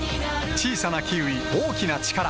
小さなキウイ、大きなチカラ